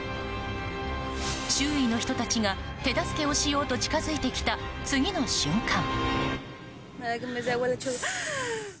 周囲の人たちが手助けをしようと近づいてきた次の瞬間。